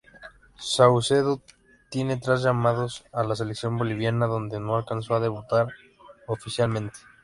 Saucedo tiene tras llamados a la Selección boliviana, donde no alcanzó a debutar oficialmente.